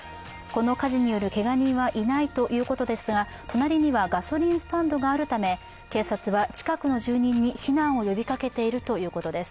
この火事によるけが人はいないということですが、隣にはガソリンスタンドがあるため警察は近くの住人に避難を呼びかけているということです。